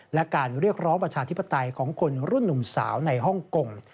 และการเรียกร้องประชาธิปไตยของคนรุ่นหนุ่มสาวในฮ่องกง